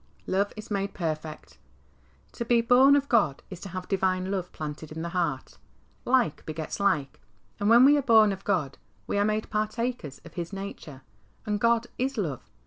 Love is made perfect. To be born of God is to have Divine love planted in the heart. " Like begets like," and when we are born of God we are made partakers of His nature. And " God is love."